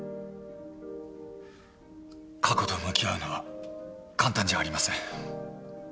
過去と向き合うのは簡単じゃありません。